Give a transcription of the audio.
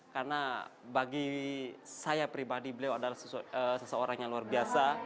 karena bagi saya pribadi beliau adalah seseorang yang luar biasa